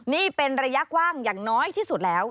นี่เป็นระยะกว้างอย่างน้อยที่สุดแล้ว